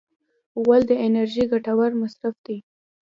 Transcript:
غول د انرژۍ ګټور مصرف دی.